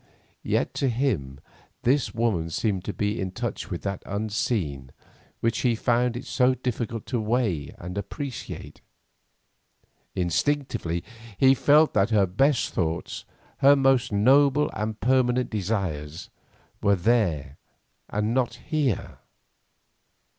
Yet to him this woman seemed to be in touch with that unseen which he found it so difficult to weigh and appreciate. Instinctively he felt that her best thoughts, her most noble and permanent desires, were there and not here.